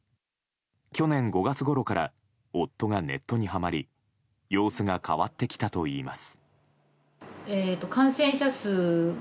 去年５月ごろから夫がネットにはまり様子が変わってきたといいます。